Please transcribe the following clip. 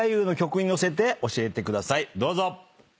どうぞ！